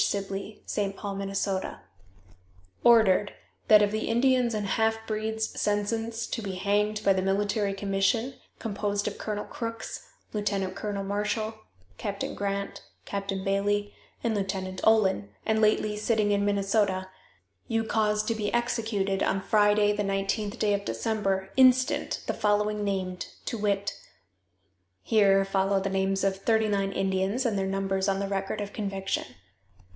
Sibley, St. Paul, Minn._: "Ordered, that of the Indians and half breeds sentenced to be hanged by the military commission, composed of Colonel Crooks, Lieutenant Colonel Marshall, Captain Grant, Captain Bailey and Lieutenant Olin, and lately sitting in Minnesota, you cause to be executed on Friday, the nineteenth day of December, instant, the following named, to wit: (Here follow the names of thirty nine Indians, and their numbers on the record of conviction.)